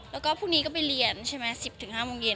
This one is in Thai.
แล้วก็พรุ่งนี้ก็ไปเรียนใช่ไหม๑๐๕โมงเย็น